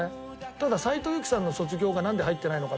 ただ斉藤由貴さんの『卒業』がなんで入っていないのかって